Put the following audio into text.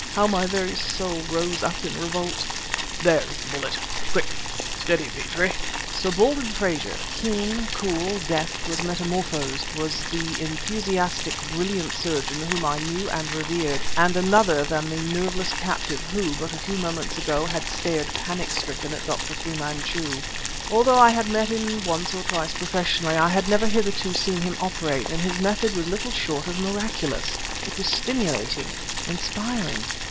how my very soul rose up in revolt! ..."There is the bullet! quick! ... Steady, Petrie!" Sir Baldwin Frazer, keen, cool, deft, was metamorphosed, was the enthusiastic, brilliant surgeon whom I knew and revered, and another than the nerveless captive who, but a few minutes ago, had stared, panic stricken, at Dr. Fu Manchu. Although I had met him once or twice professionally, I had never hitherto seen him operate; and his method was little short of miraculous. It was stimulating, inspiring.